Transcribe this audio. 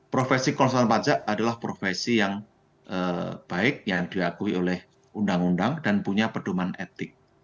profesi konsultan pajak adalah profesi yang baik yang diakui oleh undang undang dan punya pedoman etik